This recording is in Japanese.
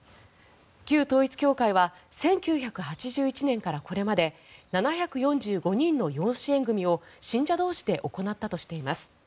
旧統一教会は１９８１年からこれまで７４５人の養子縁組を信者同士で行ったとしています。